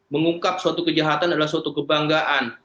mengungkap suatu kejahatan adalah suatu kebanggaan